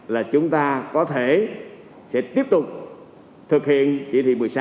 là chúng ta có thể sẽ tiếp tục thực hiện chỉ thị một mươi sáu